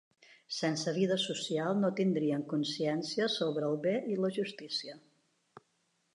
Sense vida social no tindríem consciència sobre el bé i la justícia.